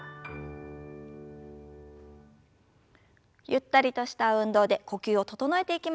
ゆったりとした運動で呼吸を整えていきましょう。